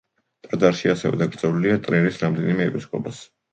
ტაძარში ასევე დაკრძალულია ტრირის რამდენიმე ეპისკოპოსი.